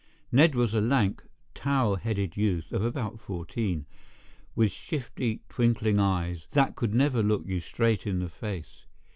Ned was a lank, tow headed youth of about fourteen, with shifty, twinkling eyes that could never look you straight in the face.